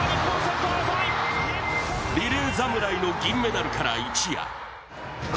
リレー侍の銀メダルから一夜。